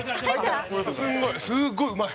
澤部：すごいうまい。